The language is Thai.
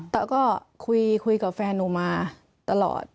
แต่ก็คุยกับแฟนหนูมาตลอด